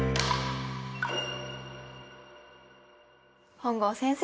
本郷先生。